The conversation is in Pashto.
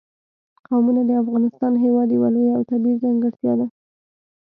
قومونه د افغانستان هېواد یوه لویه او طبیعي ځانګړتیا ده.